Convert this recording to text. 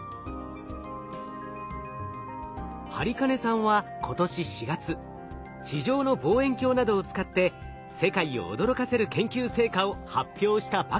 播金さんは今年４月地上の望遠鏡などを使って世界を驚かせる研究成果を発表したばかりです。